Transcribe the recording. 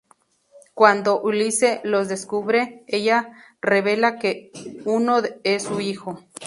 Cuando "Ulisse" los descubre, ella revela que uno es su hijo.